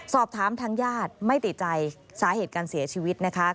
สอบถามทางญาติไม่ติดใจสาเหตุการเสียชีวิตนะคะ